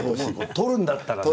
取るんだったらね。